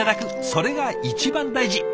それが一番大事。